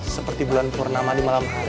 seperti bulan purnama di malam hari